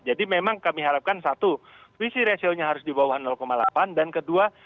jadi memang kami harapkan satu vc ratio nya harus di bawah delapan dan kedua